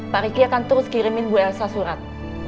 pak riki akan terus kirimin bu elsa surat